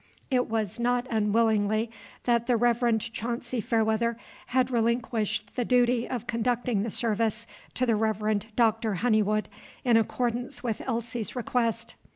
It was not unwillingly that the Reverend Chauncy Fairweather had relinquished the duty of conducting the service to the Reverend Doctor Honeywood, in accordance with Elsie's request.